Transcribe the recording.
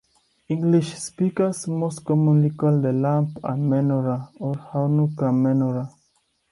English speakers most commonly call the lamp a "menorah" or "Hanukkah menorah.